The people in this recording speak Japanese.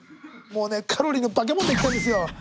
もうねカロリーの化け物でいきたいんですよ。